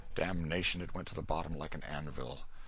Damnation, it went to the bottom like an anvil!